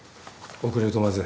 遅れるとまずい。